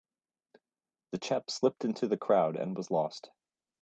The chap slipped into the crowd and was lost.